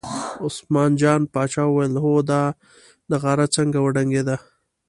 عثمان جان پاچا وویل هو دا نغاره څنګه وډنګېده.